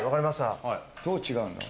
どう違うの？